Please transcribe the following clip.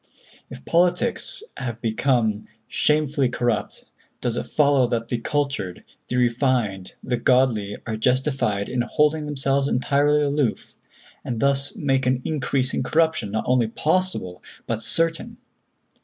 If politics have become shamefully corrupt, does it follow that the cultured, the refined, the godly are justified in holding themselves entirely aloof, and thus make an increase in corruption not only possible, but certain?